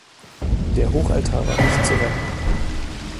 Der Hochaltar war nicht zu retten.